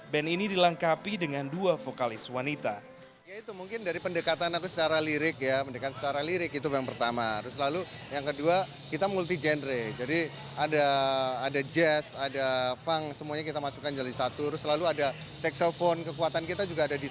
band ini dilengkapi dengan dua vokalis wanita